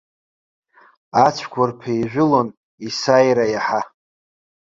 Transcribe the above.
Ацәқәырԥ еижәылон есааира иаҳа.